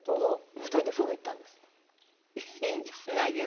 ２人でフグ行ったんです。